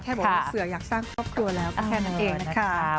บอกว่าเสืออยากสร้างครอบครัวแล้วก็แค่นั้นเองนะคะ